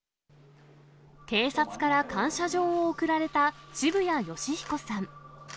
警察から感謝状を贈られた澁谷吉彦さん。